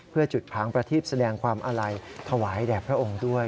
เพื่อจุดผางประทีบแสดงความอาลัยถวายแด่พระองค์ด้วย